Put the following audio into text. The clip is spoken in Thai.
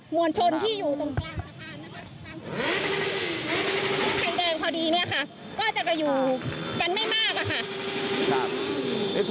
วลชนที่อยู่ตรงกลางสะพานแดงพอดีเนี่ยค่ะก็จะอยู่กันไม่มากอะค่ะ